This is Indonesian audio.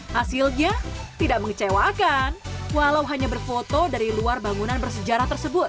hasilnya tidak mengecewakan walau hanya berfoto dari luar bangunan bersejarah tersebut